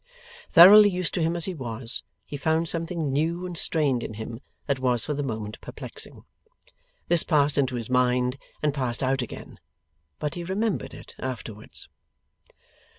Thoroughly used to him as he was, he found something new and strained in him that was for the moment perplexing. This passed into his mind, and passed out again; but he remembered it afterwards.